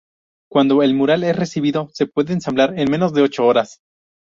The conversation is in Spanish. Cuando el mural es recibido se puede ensamblar en menos de ocho horas.